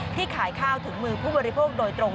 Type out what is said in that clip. ขายข้าวถึงมือผู้บริโภคโดยตรง